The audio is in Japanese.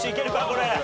これ。